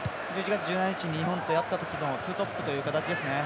１１月１７日に日本とやったときのツートップという形ですね。